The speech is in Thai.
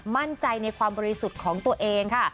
มั่นใจในความบริสุทธิ์ของตัวเองค่ะ